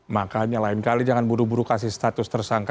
makanya lain kali jangan buru buru kasih status tersangka